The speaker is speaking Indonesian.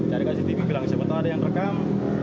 cari cctv bilang siapa tau ada yang rekam